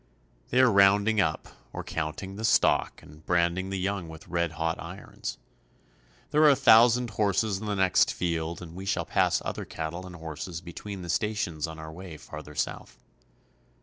They are rounding up, or counting, the stock and branding the young with red hot irons. There are a thousand horses in the next field, and we shall pass other cattle and horses between the stations on our way farther south.